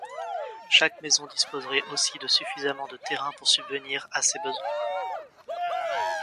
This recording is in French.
Chaque maison disposerait aussi de suffisamment de terrain pour subvenir à ses besoins.